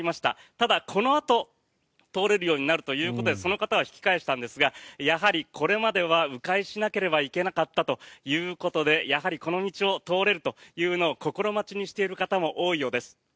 ただ、このあと通れるようになるということでその方は引き返したんですがやはり、これまでは迂回しなければいけなかったということでやはりこの道を通れるというのを心待ちにしている方も多いようです。